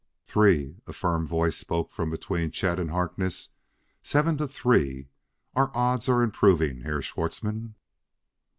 "Three!" a firm voice spoke from between Chet and Harkness; "seven to three! Our odds are improving, Herr Schwartzmann."